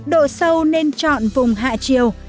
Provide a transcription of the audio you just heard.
độ sâu nên chọn vùng hạ chiều